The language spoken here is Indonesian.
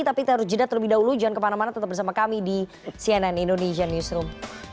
tapi terjadat lebih dahulu jangan kemana mana tetap bersama kami di cnn indonesian newsroom